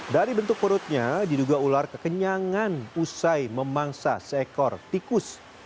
dari bentuk perutnya diduga ular kekenyangan usai memangsa seekor tikus